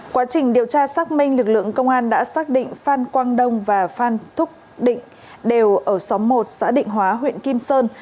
quá trình điều tra xác minh lực lượng công an đã xác định phan quang đông và phan thúc định đều ở xóm một xã định hóa huyện kim sơn